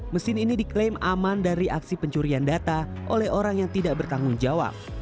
mesin ini diklaim aman dari aksi pencurian data oleh orang yang tidak bertanggung jawab